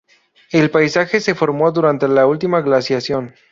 El paisaje se formó durante la última glaciación.